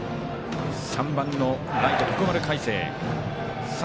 ３番のライト、徳丸快晴。